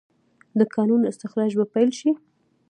د کانونو استخراج به پیل شي؟